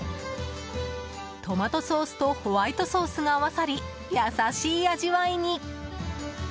トマトソースとホワイトソースが合わさり優しい味わいに。